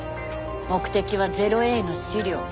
目的は０−Ａの資料。